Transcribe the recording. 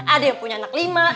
ada yang punya anak lima